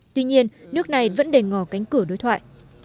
tuy nhiên nước này vẫn để ngò cánh cửa đối thoại